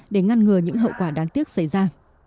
để ngăn ngừa những hậu quả đáng tiếc xảy ra